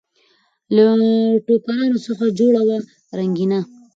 له ټوکرانو څخه جوړه وه رنګینه